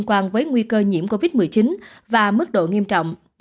điều này liên quan với nguy cơ nhiễm covid một mươi chín và mức độ nghiêm trọng